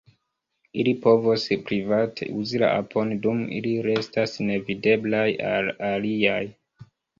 Ili povos private uzi la apon dum ili restas nevideblaj al aliaj.